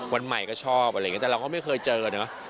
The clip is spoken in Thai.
วันใหม่ก็ชอบอะไรอย่างนี้แต่เราก็ไม่เคยเจอเนอะ